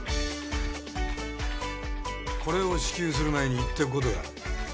これを支給する前に言っておくことがある。